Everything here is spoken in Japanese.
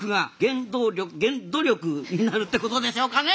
まさにになるってことでしょうかね。